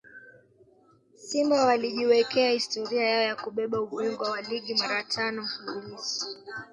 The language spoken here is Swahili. Simba walijiwekea historia yao ya kubeba ubingwa wa ligi mara tano mfululizo